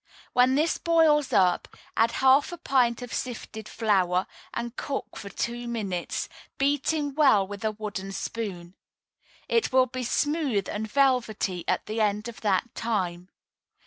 When this boils up, add half a pint of sifted flour, and cook for two minutes, beating well with a wooden spoon. It will be smooth and velvety at the end of that time.